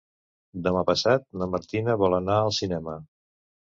Demà passat na Martina vol anar al cinema.